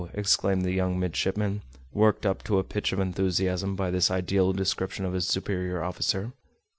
exclaimed the young midshipman, worked up to a pitch of enthusiasm by this ideal description of his superior officer.